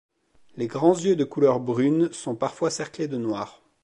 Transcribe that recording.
Les grands yeux de couleur brune sont parfois cerclés de noir.